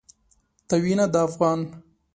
ته وينه د افغان